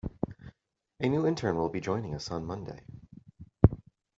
A new intern will be joining us on Monday.